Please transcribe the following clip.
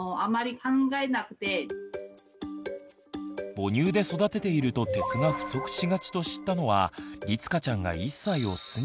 母乳で育てていると鉄が不足しがちと知ったのはりつかちゃんが１歳を過ぎてから。